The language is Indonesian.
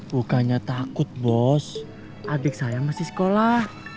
bukannya takut bos adik saya masih sekolah